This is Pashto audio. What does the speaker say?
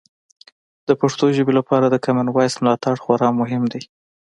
د پښتو ژبې لپاره د کامن وایس ملاتړ خورا مهم دی.